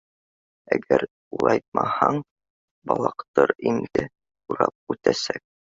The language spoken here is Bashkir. Әгәр улайтмаһаң, балыҡтар емде урап үтәсәк.